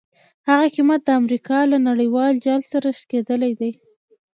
هغه قیمت د امریکا له نړیوال جال سره شریکېدل دي.